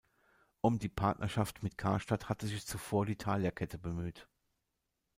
Um die Partnerschaft mit Karstadt hatte sich zuvor die Thalia-Kette bemüht.